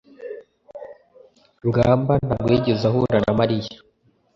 rugamba ntabwo yigeze ahura na mariya